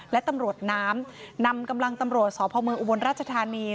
และตำรวจน้ำนำกำลังตำรวจสพเมืองอุบลราชธานี